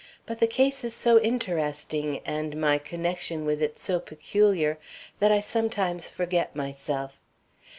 But the case is so interesting, and my connection with it so peculiar, that I sometimes forget myself.